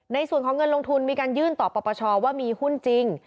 ในส่วนของเงินลงทุนมีการยื่นต่อปปชว่ามีหุ้นจริง